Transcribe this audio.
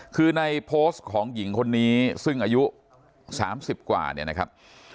คือในโพสต์ของหญิงคนนี้ซึ่งอายุ๓๐กว่าเนี่ยนะครับ